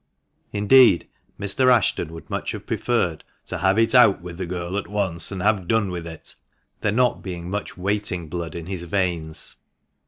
Indeed, Mr. Ashton would much have preferred to "have it out with the girl at once, and have done with it," there not being much " waiting " blood in his veins.